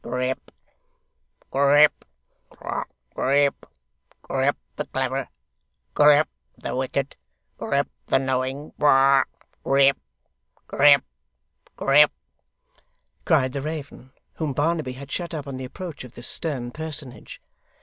'Grip, Grip, Grip Grip the clever, Grip the wicked, Grip the knowing Grip, Grip, Grip,' cried the raven, whom Barnaby had shut up on the approach of this stern personage.